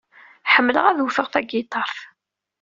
Ḥemmleɣ ad wteɣ tagiṭart.